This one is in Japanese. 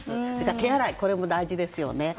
手洗いも大事ですよね。